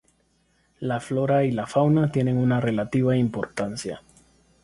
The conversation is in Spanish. La Flora y la Fauna tienen una relativa importancia.